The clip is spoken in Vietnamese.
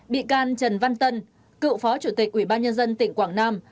bị can trần văn tân cựu phó chủ tịch ubnd tp quảng nam